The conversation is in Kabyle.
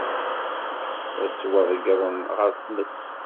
Ad ttwaḍeggren ɣer tmes.